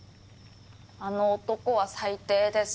あの男は最低です。